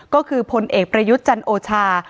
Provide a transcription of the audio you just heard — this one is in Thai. ก็คือพลเอกประยุทธ์จันโอชา